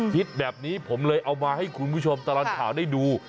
คิดแบบนี้ผมเลยเอามาให้คุณผู้ชมตลอดข่าวได้ดู